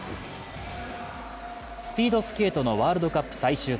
スピードスケートのワールドカップ最終戦。